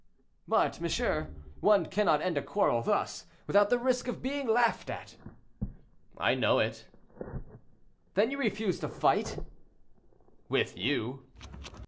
"But, monsieur, one cannot end a quarrel thus, without the risk of being laughed at."—"I know it." "Then you refuse to fight?" "With you."